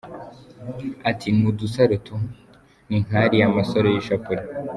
Ati “Ni udusaro tu, ni nk’ariya masaro y’ishapure.